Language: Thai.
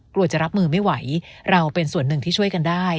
กลัวจะรับมือไม่ไหวเราเป็นส่วนหนึ่งที่ช่วยกันได้